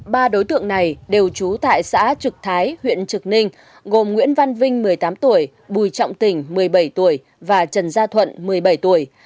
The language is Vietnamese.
ba đối tượng này đều trú tại xã trực thái huyện trực ninh gồm nguyễn văn vinh một mươi tám tuổi bùi trọng tỉnh một mươi bảy tuổi và trần gia thuận một mươi bảy tuổi